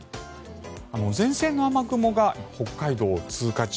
前線の雨雲が北海道を通過中。